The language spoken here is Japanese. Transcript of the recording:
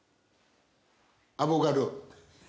アボガド。